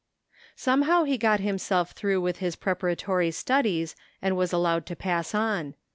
Somehow he got himself through with his prepara tory studies and was allowed to pass on.